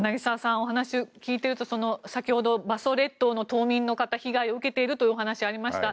お話を聞いていると先ほど馬祖列島の島民の方被害を受けているという話がありました。